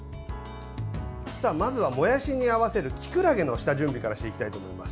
まずは、もやしに合わせるきくらげの下準備からしていきたいと思います。